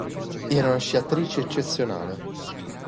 Era una sciatrice eccezionale.